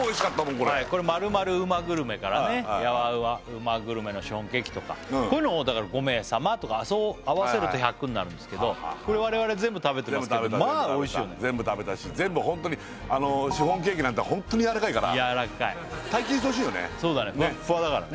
これこれ○○うまグルメからねヤワうまグルメのシフォンケーキとかこういうのをだから５名様とか合わせると１００になるんですけどこれ我々全部食べてますけどまあおいしいよね全部食べたし全部本当にシフォンケーキなんて本当にやわらかいから体験してほしいよね